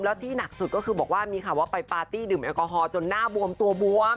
แล้วที่หนักสุดก็คือบอกว่ามีข่าวว่าไปปาร์ตี้ดื่มแอลกอฮอลจนหน้าบวมตัวบวม